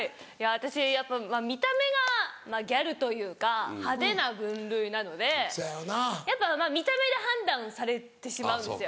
私やっぱ見た目がギャルというか派手な分類なのでやっぱ見た目で判断されてしまうんですよ。